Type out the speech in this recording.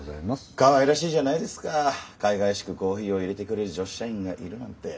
かわいらしいじゃないですかかいがいしくコーヒーをいれてくれる女子社員がいるなんて。